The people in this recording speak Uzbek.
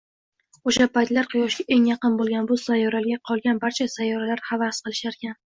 Oʻsha paytlar Quyoshga eng yaqin boʻlgan bu sayyoraga qolgan barcha sayyoralar havas qilisharkan